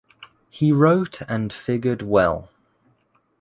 He wrote and figured well.